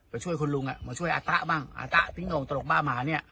ไปช่วยคนลุงอ่ะมาช่วยอาตะบ้างอาตะพิงโน่งตลกบ้าหมาเนี้ย